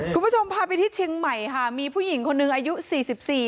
คุณผู้ชมพาไปที่เชียงใหม่ค่ะมีผู้หญิงคนหนึ่งอายุสี่สิบสี่